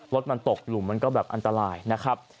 รถมันตกหลุมมันก็แบบอันตรายนะครับ